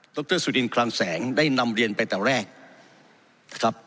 รสุรินคลังแสงได้นำเรียนไปแต่แรกนะครับ